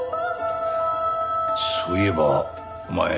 そういえばお前。